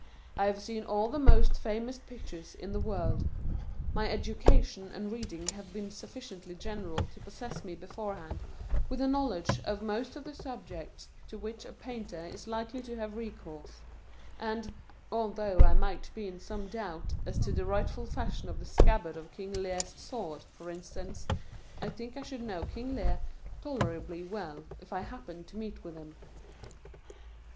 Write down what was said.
I have seen all the most famous pictures in the world ; my educa tion and reading have been sufficiently general to possess me beforehand with a knowledge of most of the subjects to which a Painter is likely to have recourse ; and, although I might be in some doubt as to the rightful fashion of the scabbard of King Lear's sword, for instance, I think I should know King Lear tolerably well, if I happened to meet with him.